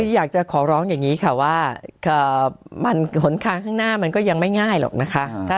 อยากจะขอร้องอย่างนี้ค่ะว่าหนทางข้างหน้ามันก็ยังไม่ง่ายหรอกนะคะ